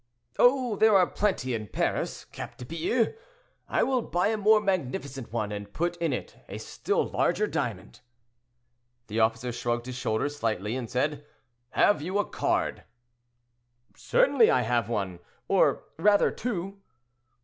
"Oh, there are plenty in Paris, cap de Bious! I will buy a more magnificent one, and put in it a still larger diamond." The officer shrugged his shoulders slightly, and said, "Have you a card?" "Certainly I have one—or rather two."